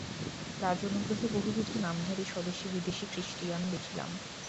রাজ-অনুগ্রহে বহুবিধ-নামধারী স্বদেশী বিদেশী খ্রীষ্টিয়ান দেখিলাম।